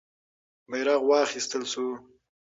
بیرغ واخیستل سو.